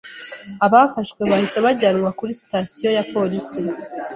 Abafashwe bahise bajyanwa kuri sitasiyo ya Polisi